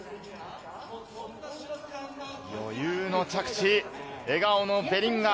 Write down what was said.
余裕の着地、笑顔のヴェリンガー。